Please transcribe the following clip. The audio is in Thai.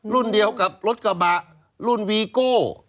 รุ่นเดียวกับรถกระบะรุ่นวีโก้